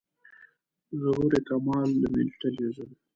ظهور کمال له ملي تلویزیون.